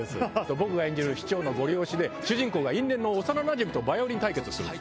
僕が演じる市長のゴリ押しで主人公が因縁の幼なじみとバイオリン対決するんです。